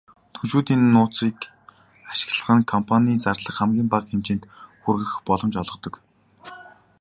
Түншүүдийн нууцыг ашиглах нь компани зардлаа хамгийн бага хэмжээнд хүргэх боломж олгодог.